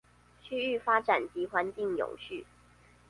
區域發展及環境永續